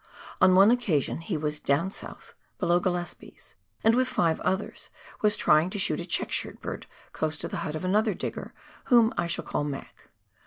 On one occasion he was " down South," below Gillespies, and, with five others, was trying to shoot a check shirt bird close to the hut of another digger, whom I shall call Mac."